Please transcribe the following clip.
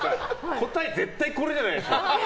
答え、絶対これじゃないですか。